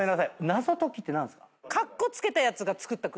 謎解きって何すか？